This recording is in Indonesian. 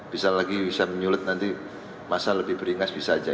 bisa lagi bisa menyulit nanti masa lebih beringas bisa saja